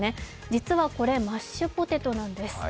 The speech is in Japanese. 実はこれ、マッシュポテトなんです